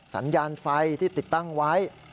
สัญญาณไฟที่ติดตั้งไว้